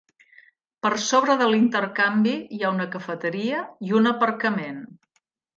Per sobre de l'intercanvi, hi ha una cafeteria i un aparcament.